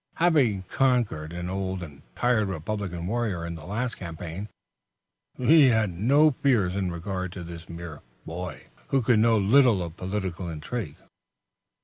Having conquered an old and tried Republican warrior in the last campaign, he had no fears in regard to this mere boy, who could know little of political intrigue.